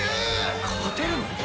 勝てるの？